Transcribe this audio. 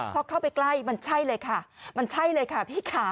พอเข้าไปใกล้มันใช่เลยค่ะมันใช่เลยค่ะพี่ค่ะ